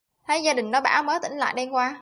thấy gia đình nó bảo là mới tỉnh lại đêm qua